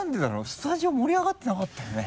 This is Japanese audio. スタジオ盛り上がってなかったよね？